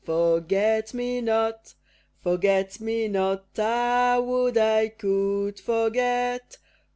Forget me not! Forget me not! Ah! would I could forget!